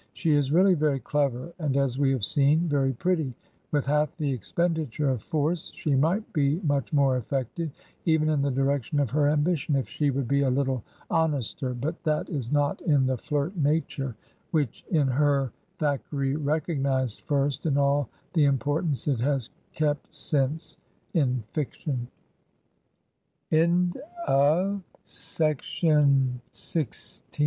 She is really very clever, and, as we have seen, very pretty. With half the expenditure of force, she might be much more eflFective, even in the direction of her ambition, if she would be a little honester; but that is not in the flirt nature, which in her Thackeray rec ognized first in all the importan